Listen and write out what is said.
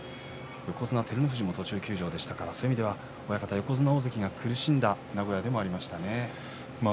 横綱照ノ富士も途中休場でしたから横綱、大関が苦しんだ名古屋でもありましたね。